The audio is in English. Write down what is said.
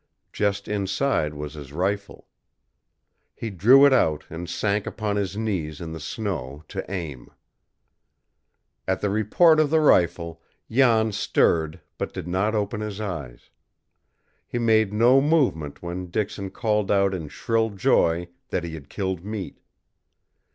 Just inside was his rifle. He drew it out and sank upon his knees in the snow to aim. At the report of the rifle, Jan stirred but did not open his eyes; he made no movement when Dixon called out in shrill joy that he had killed meat.